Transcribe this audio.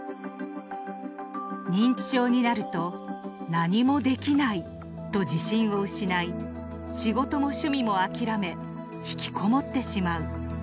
認知症になると何もできないと自信を失い仕事も趣味も諦め引きこもってしまう。